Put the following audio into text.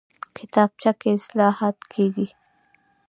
کتابچه کې اصلاحات کېږي